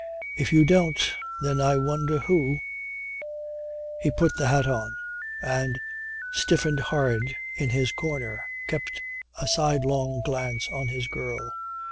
If you don't, then I wonder who " He put the hat on, and stiffened hard in his corner, kept a sidelong glance on his girl.